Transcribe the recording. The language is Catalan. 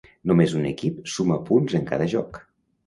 Només un equip suma punts en cada joc.